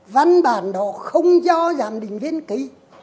văn bản đó không do giám định viên ký